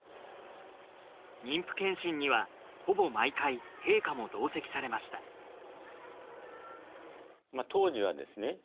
妊婦検診にはほぼ毎回陛下も同席されました当時はですね